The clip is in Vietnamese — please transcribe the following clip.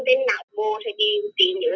đến lạc vô tỷ nhựa